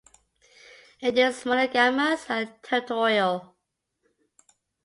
It is monogamous and territorial.